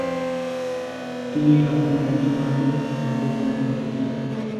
তিনি ঢাকার মঞ্চ নাটক আন্দোলনের পথিকৃৎ।